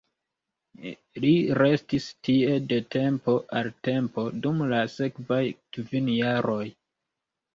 Li restis tie de tempo al tempo dum la sekvaj kvin jaroj.